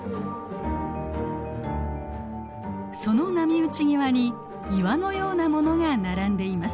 その波打ち際に岩のようなものが並んでいます。